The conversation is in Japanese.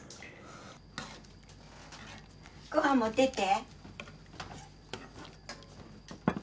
ご飯持ってって。